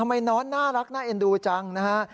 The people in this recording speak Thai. นอนน่ารักน่าเอ็นดูจังนะฮะ